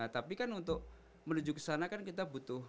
tapi kan untuk menuju kesana kan kita butuh